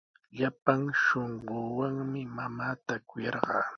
Llapan shunquuwanmi mamaata kuyarqaa.